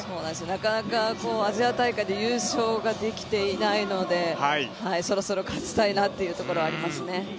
なかなか、アジア大会で優勝ができていないのでそろそろ勝ちたいなっていうところはありますね。